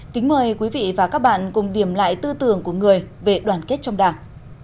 kính mời quý vị và các bạn cùng điểm lại tư tưởng của người về đoàn kết trong đảng